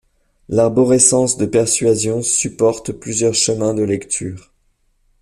L’arborescence de persuasion supporte plusieurs chemins de lecture.